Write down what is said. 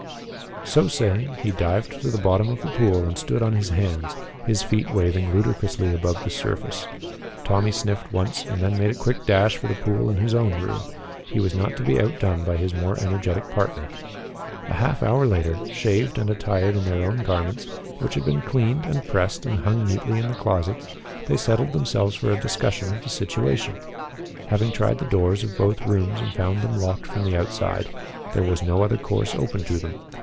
So saying, he dived to the bottom of the pool and stood on his hands, his feet waving ludicrously above the surface. Tommy sniffed once and then made a quick dash for the pool in his own room. He was not to be outdone by his more energetic partner. A half hour later, shaved and attired in their own garments, which had been cleaned and pressed and hung neatly in the closets, they settled themselves for a discussion of the situation. Having tried the doors of both rooms and found them locked from the outside, there was no other course open to them.